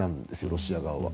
ロシア側は。